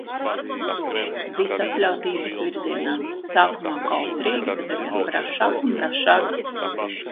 Visatļautības virzienā. Sākumā kautrīgi, tad arvien brašāk un brašāk.